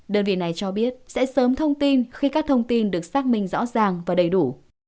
đơn vị này cho biết sẽ sớm thông tin khi các thông tin được xác minh rõ ràng và đầy đủ